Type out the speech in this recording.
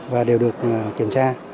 và đều được kiểm tra